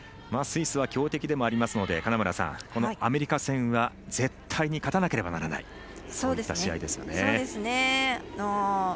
スイスは強敵でもあるのでこのアメリカ戦は絶対に勝たなければならないそういった試合ですよね。